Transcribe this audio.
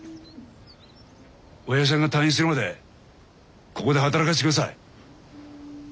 おやじさんが退院するまでここで働かせてください。